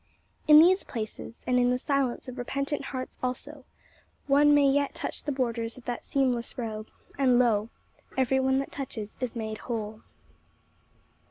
In these places, and in the silence of repentant hearts also, one may yet touch the borders of that seamless robe; and lo, every one that touches is made whole.